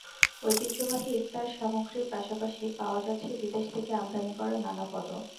ঐতিহ্যবাহী ইফতারসামগ্রীর পাশাপাশি পাওয়া যাচ্ছে বিদেশ থেকে আমদানি করা নানা পদও।